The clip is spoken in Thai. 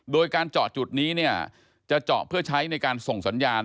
โดยการเจาะจุดนี้เนี่ยจะเจาะเพื่อใช้ในการส่งสัญญาณ